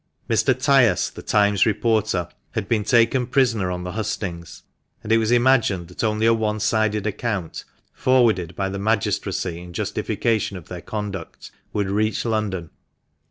Mr. Tyas, the Times reporter, had been taken prisoner on the hustings, and it was imagined that only a one sided account — forwarded by the magistracy in justification of their conduct — would reach London.